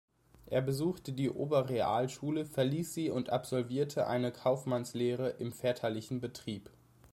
Er besuchte die Oberrealschule, verließ sie und absolvierte eine Kaufmannslehre im väterlichen Betrieb.